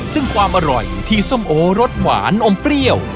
ซึ่งความอร่อยที่ส้มโอรสหวานอมเปรี้ยว